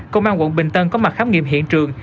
công an quận bình tân có mặt khám nghiệm hiện trường